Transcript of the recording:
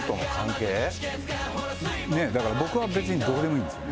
だから僕は別に、どうでもいいんですよね。